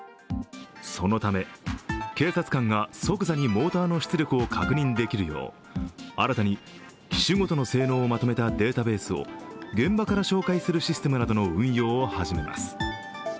そのため、警察官が即座にモーターの出力を確認できるよう新たに機種ごとの性能をまとめたデータベースを現場から照会するシステムの運用などを始めます。